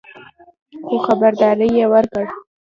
خو خبرداری یې ورکړ